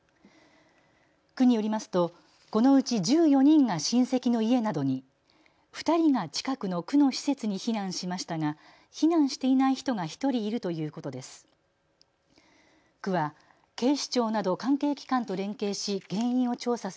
区によりますとこのうち１４人が親戚の家などに、２人が近くの区の施設に避難しましたが避難していない人が１人いるということです。